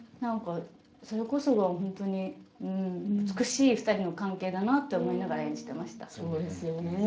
それこそが本当に美しい２人の関係だなと思いながら演じていました。